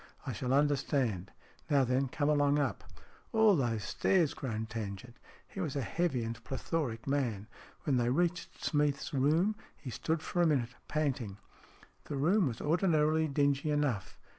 I shall understand. Now then, come along up !"" All those stairs !" groaned Tangent. He was a heavy and plethoric man. When they reached Smeath's room he stood for a minute, panting. The room was ordinarily dingy enough.